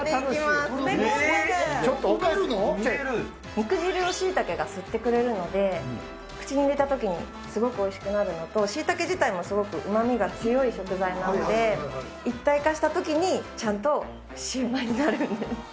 肉汁をしいたけが吸ってくれるので、口に入れたときにすごくおいしくなるのと、しいたけ自体もすごくうまみが強い食材なので、一体化したときにちゃんとシューマイになるんです。